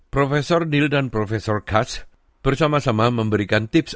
prof neil dan prof katz bersama sama memberikan tips